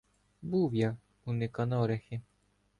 — Був я у Никанорихи.